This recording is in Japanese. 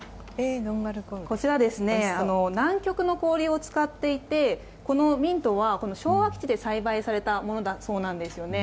こちら、南極の氷を使っていてこのミントは昭和基地で栽培されたものだそうです。